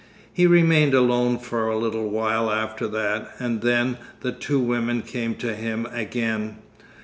He remained alone for a little while after that, and then the two women came to him again.